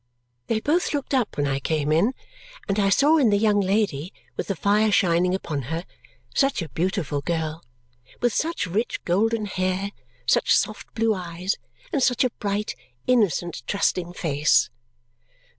They both looked up when I came in, and I saw in the young lady, with the fire shining upon her, such a beautiful girl! With such rich golden hair, such soft blue eyes, and such a bright, innocent, trusting face!